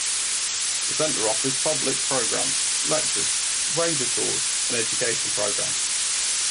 The center offers public programs, lectures, ranger tours and education programs.